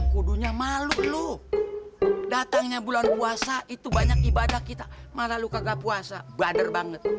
kodonya malu datangnya bulan puasa itu banyak ibadah kita malah luka puasa bader banget